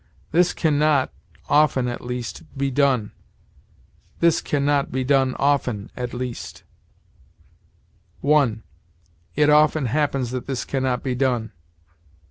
'This can not, often at least, be done'; 'this can not be done often, at least.' (1. 'It often happens that this can not be done.'